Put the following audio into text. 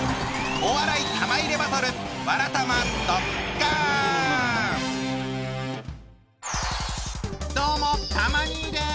お笑い玉入れバトルどうもたま兄です。